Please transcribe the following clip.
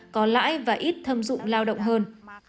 có lãi và ít thâm dụng lao động hơn